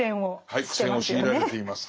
はい苦戦を強いられています。